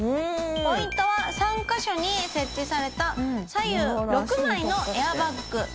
ポイントは３カ所に設置された左右６枚のエアバッグ。